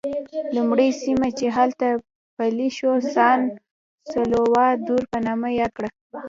لومړی سیمه چې هلته پلی شو سان سولوا دور په نامه یاد کړه.